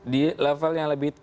di level yang lebih